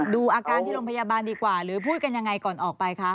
ดูอาการที่โรงพยาบาลดีกว่าหรือพูดกันยังไงก่อนออกไปคะ